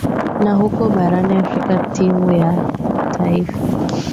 na huko barani afrika timu ya ya taifa